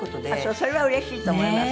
それはうれしいと思います。